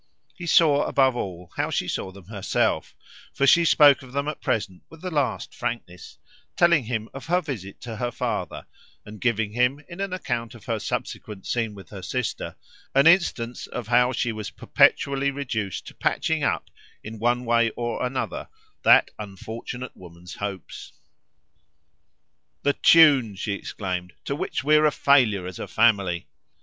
He saw above all how she saw them herself, for she spoke of them at present with the last frankness, telling him of her visit to her father and giving him, in an account of her subsequent scene with her sister, an instance of how she was perpetually reduced to patching up, in one way or another, that unfortunate woman's hopes. "The tune," she exclaimed, "to which we're a failure as a family!"